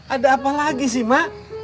ada apa lagi sih mak